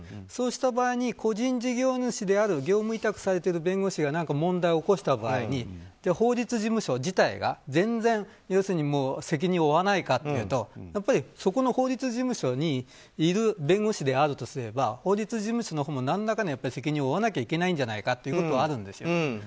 そうした場合に個人事業主である業務委託されている弁護士が何か問題を起こした場合に法律事務所自体が全然、責任を負わないかというとそこの法律事務所にいる弁護士であるとすれば法律事務所のほうも何らかの責任を負わなきゃいけないんじゃないかということもあるんですよ。